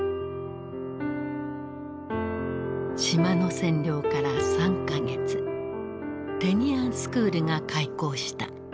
島の占領から３か月テニアンスクールが開校した。